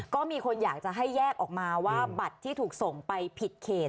ก็มีคนอยากจะให้แยกออกมาว่าบัตรที่ถูกส่งไปผิดเขต